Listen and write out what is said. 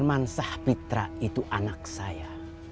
firman safitra itu anak saya